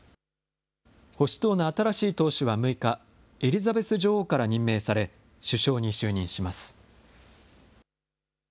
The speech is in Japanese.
保守党の新しい党首は６日、エリザベス女王から任命され、首相に就任します。